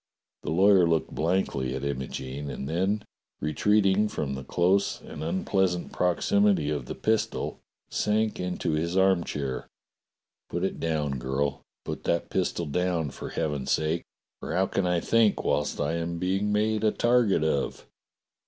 The lawyer looked blankly at Imogene, and then, re WATCHBELL STREET 253 treating from the close and unpleasant proximity of the pistol, sank into his armchair. "Put it down, girl ! Put that pistol down for heaven's sake, for how can I think whilst I am being made a target of?"